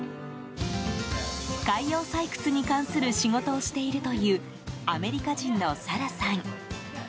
海洋採掘に関する仕事をしているというアメリカ人のサラさん。